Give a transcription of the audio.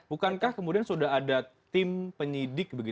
bukankah kemudian sudah ada tim penyidik